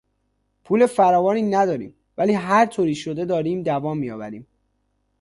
پول فراوانی نداریم ولی هر طوری شده داریم دوام میآوریم.